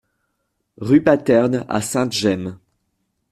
Rue Paterne à Sainte-Gemme